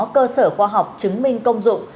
cơ sở khoa học chứng minh công dụng